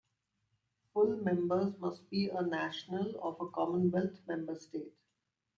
Full members must be a national of a Commonwealth member state.